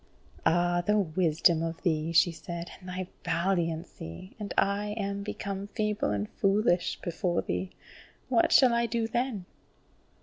"Ah, the wisdom of thee," she said, "and thy valiancy, and I am become feeble and foolish before thee! What shall I do then?"